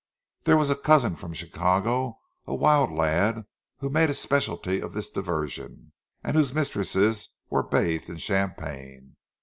There was a cousin from Chicago, a wild lad, who made a speciality of this diversion, and whose mistresses were bathed in champagne.